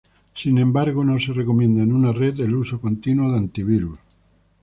Sin embargo, no se recomienda en una red el uso continuo de antivirus.